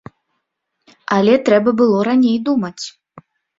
Але трэба было раней думаць.